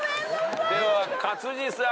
では勝地さん。